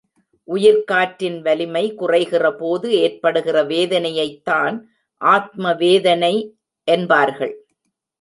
உயிர்க் காற்றின் வலிமை குறைகிறபோது ஏற்படுகிற வேதனையைத்தான் ஆத்ம வேதனை என்பார்கள்.